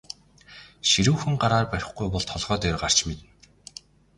Ширүүхэн гараар барихгүй бол толгой дээр гарч мэднэ.